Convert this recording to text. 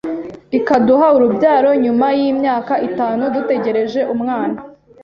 ikaduha urubyaro nyuma y’imyaka itanu dutegereje umwana